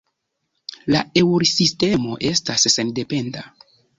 La Eŭrosistemo estas sendependa.